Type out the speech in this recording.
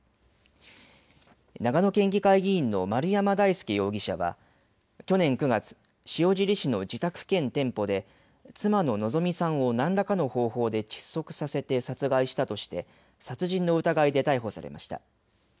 長野県議会議員の丸山大輔容疑者は去年９月、塩尻市の自宅兼店舗で妻の希美さんを何らかの方法で窒息させて殺害したとして殺人の疑いで逮捕されました。